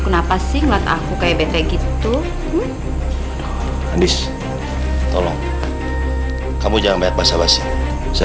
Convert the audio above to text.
kenapa sih ngeliat aku kayak bete gitu andis tolong kamu jangan banyak basah basih